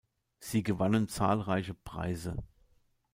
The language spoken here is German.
Sie gewannen zahlreiche Preise.